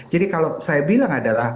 jadi kalau saya bilang adalah